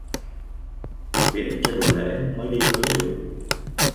Biện cho đủ lễ mới đi cưới được